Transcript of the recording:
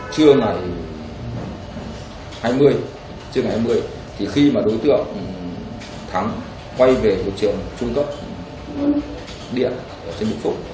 trước ngày hai mươi trước ngày hai mươi thì khi mà đối tượng thắng quay về thủ trường trung tâm địa trên vinh phúc